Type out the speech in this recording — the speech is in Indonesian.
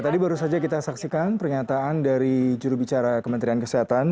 tadi baru saja kita saksikan pernyataan dari jurubicara kementerian kesehatan